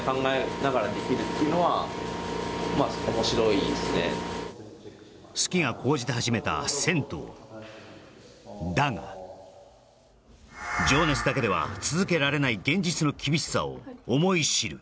なんでそのねえ好きが高じて始めた銭湯だが情熱だけでは続けられない現実の厳しさを思い知る・